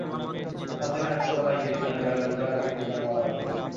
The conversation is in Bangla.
হাটহাজারী হাসপাতালে গিয়ে শুনি বেলা দুইটার আগে টিকা পাওয়া যাবে না।